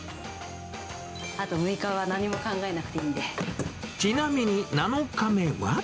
あと６日は何も考えなくていちなみに７日目は。